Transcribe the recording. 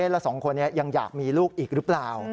แล้วสองคนนี้ยังอยากมีลูกอีกหรือเปล่า